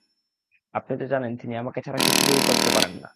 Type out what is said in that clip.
আপনি তো জানেন তিনি আমাকে ছাড়া কিছুই করতে পারে না।